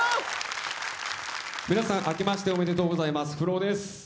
皆さん、明けましておめでとうございます、ＦＬＯＷです。